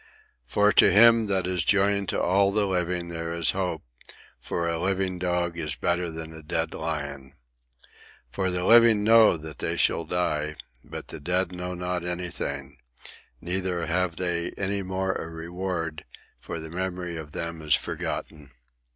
"For to him that is joined to all the living there is hope; for a living dog is better than a dead lion. "For the living know that they shall die; but the dead know not anything, neither have they any more a reward; for the memory of them is forgotten.